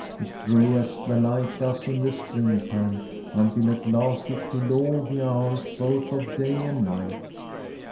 It grew as the light does in the springtime, until at last it filled all the hours both of day and night.